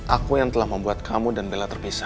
aku yang telah membuat kamu dan bella tersebut berdua